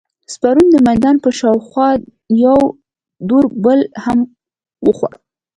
سپرو د میدان پر شاوخوا یو دور بل هم وخوړ.